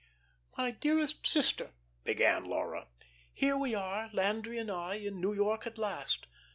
"'My dearest sister,'" began Laura. "'Here we are, Landry and I, in New York at last.